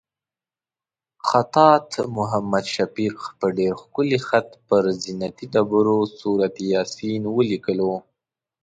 خطاط محمد شفیق په ډېر ښکلي خط پر زینتي ډبرو سورت یاسین ولیکلو.